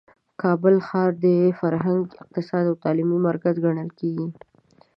کابل ښار د فرهنګ، اقتصاد او تعلیم مرکز ګڼل کیږي.